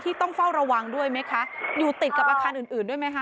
ต้องเฝ้าระวังด้วยไหมคะอยู่ติดกับอาคารอื่นอื่นด้วยไหมคะ